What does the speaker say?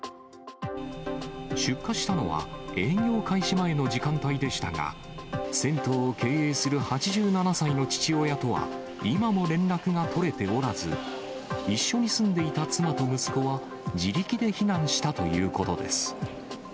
出火したのは、営業開始前の時間帯でしたが、銭湯を経営する８７歳の父親とは今も連絡が取れておらず、一緒に住んでいた妻と息子は自力で避難したということです。